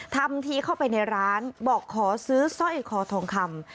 ทำทีเข้าไปในร้านบอกขอซื้อสร้อยคอทองคำ